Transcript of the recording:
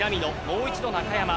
もう一度中山。